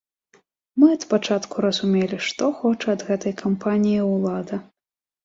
Мы ад пачатку разумелі, што хоча ад гэтай кампаніі ўлада.